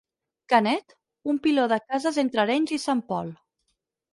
Canet? Un piló de cases entre Arenys i Sant Pol.